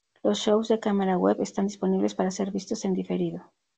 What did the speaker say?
Los show de cámara web están disponibles para ser vistos en diferido.